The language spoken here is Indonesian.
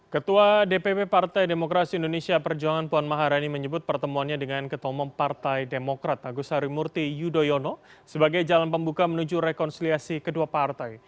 ketua dpp partai demokrasi indonesia perjuangan puan maharani menyebut pertemuannya dengan ketomong partai demokrat agus harimurti yudhoyono sebagai jalan pembuka menuju rekonsiliasi kedua partai